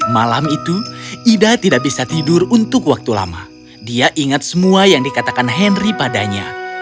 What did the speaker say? malam itu ida tidak bisa tidur untuk waktu lama dia ingat semua yang dikatakan henry padanya